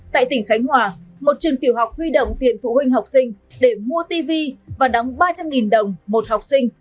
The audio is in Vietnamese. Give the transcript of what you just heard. tại tỉnh khánh hòa một trường tiểu học huy động tiền phụ huynh học sinh để mua tv và đóng ba trăm linh đồng một học sinh